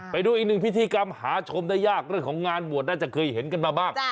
ไปดูอีกหนึ่งพิธีกรรมหาชมได้ยากเรื่องของงานบวชน่าจะเคยเห็นกันมาบ้าง